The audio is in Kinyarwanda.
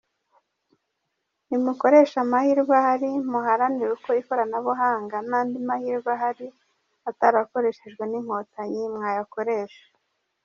Nimukoreshe amahirwe ahari muharanire uko ikoranabuhanga n’andi mahirwe ahari atarakoreshejwe n’Inkotanyi mwayakoresha.